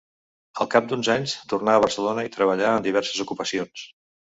Al cap d'uns anys tornà a Barcelona i treballà en diverses ocupacions.